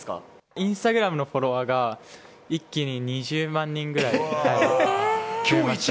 インスタグラムのフォロワーが一気に２０万人ぐらい増えました。